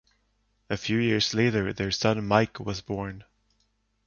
A few years later their son Mike was born.